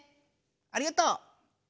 ありがとう！